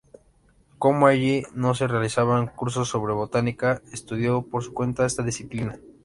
Como allí no se realizaban cursos sobre botánica, estudió por su cuenta esta disciplina.